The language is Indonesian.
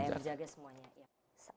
yang menjaga semuanya